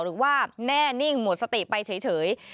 หรือว่าแน่นิ่งหมดสติไปเฉย